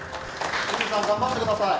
ジミーさん頑張ってください！